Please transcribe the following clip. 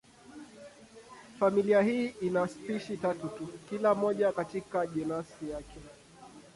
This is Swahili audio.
Familia hii ina spishi tatu tu, kila moja katika jenasi yake.